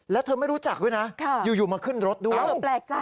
และเธอไม่รู้จักด้วยนะอยู่มาขึ้นรถด้วยข้าวแปลกจัง